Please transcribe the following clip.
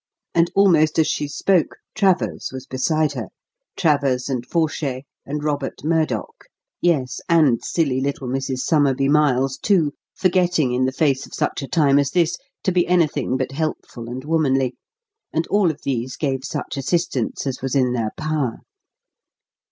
And, almost as she spoke, Travers was beside her, Travers and Forshay and Robert Murdock yes, and silly little Mrs. Somerby Miles, too, forgetting in the face of such a time as this to be anything but helpful and womanly and all of these gave such assistance as was in their power.